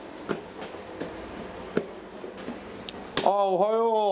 ああおはよう。